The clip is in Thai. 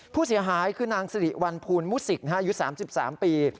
ผู้เสียหายคือนางสิริวัลภูลมุสิกอายุ๓๓ปี